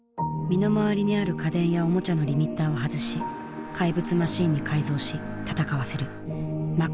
身の回りにある家電やおもちゃのリミッターを外し怪物マシンに改造し戦わせる「魔改造の夜」。